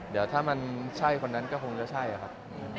เดี๋ยวถ้ามันใช่คนนั้นก็คงจะใช่ครับ